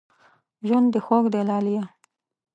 ژوند دې خوږ دی لالیه